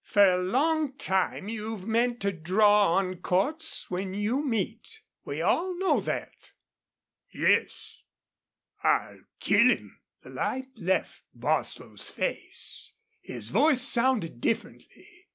"Fer a long time you've meant to draw on Cordts when you meet. We all know thet." "Yes, I'll kill him!" The light left Bostil's face. His voice sounded differently.